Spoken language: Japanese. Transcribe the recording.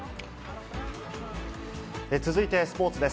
続いてスポーツです。